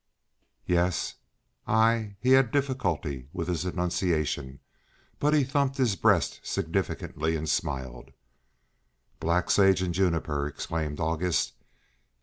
"Yes, I " He had difficulty with his enunciation, but he thumped his breast significantly and smiled. "Black sage and juniper!" exclaimed August.